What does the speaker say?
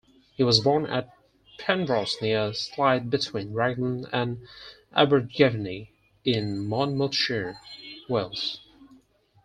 He was born at Penrhos near Clytha between Raglan and Abergavenny in Monmouthshire, Wales.